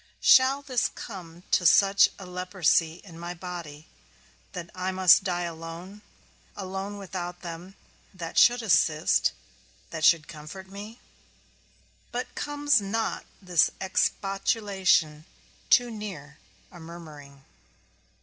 Shall this come to such a leprosy in my body that I must die alone; alone without them that should assist, that should comfort me? But comes not this expostulation too near a murmuring?